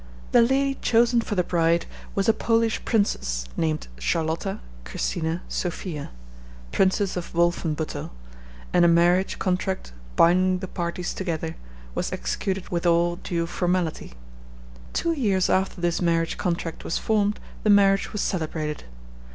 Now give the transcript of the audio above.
The lady chosen for the bride was a Polish princess, named Charlotta Christina Sophia, Princess of Wolfenbuttel, and a marriage contract, binding the parties to each other, was executed with all due formality. Two years after this marriage contract was formed the marriage was celebrated.